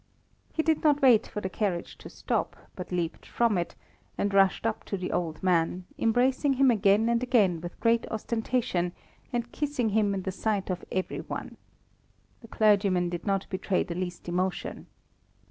He did not wait for the carriage to stop, but leaped from it, and rushed up to the old man, embracing him again and again with great ostentation, and kissing him in the sight of every one. The clergyman did not betray the least emotion.